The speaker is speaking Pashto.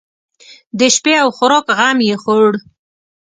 د شپې او خوراک غم یې خوړ.